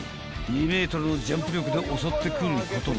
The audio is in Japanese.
［２ｍのジャンプ力で襲ってくることも］